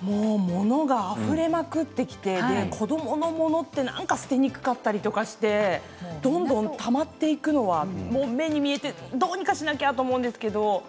ものがあふれまくって子どものものは捨てにくかったりしてどんどんたまっていくのは目に見えて、どうにかしなくてはいけないと思うんですけれど。